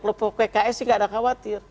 kalau pks sih gak ada khawatir